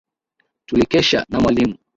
Tulikesha na mwalimu